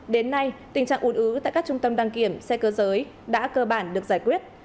đến nay tình trạng ủn ứ tại các trung tâm đăng kiểm xe cơ giới đã cơ bản được giải quyết